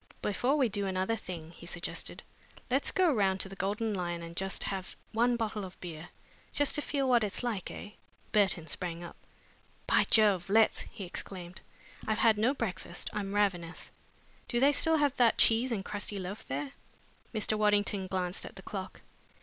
"Before we do another thing," he suggested, "let's go round to the Golden Lion and have just one bottle of beer just to feel what it's like, eh?" Burton sprang up. "By Jove, let's!" he exclaimed. "I've had no breakfast. I'm ravenous. Do they still have that cheese and crusty loaf there?" Mr. Waddington glanced at the clock.